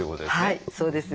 はいそうです。